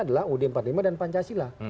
adalah ud empat puluh lima dan pancasila